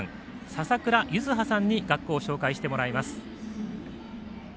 笹倉柚子葉さんに学校を紹介してもらいます。